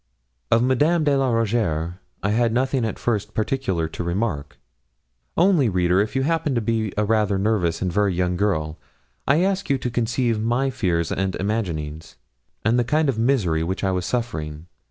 Of Madame de la Rougierre I had nothing at first particular to remark. Only, reader, if you happen to be a rather nervous and very young girl, I ask you to conceive my fears and imaginings, and the kind of misery which I was suffering.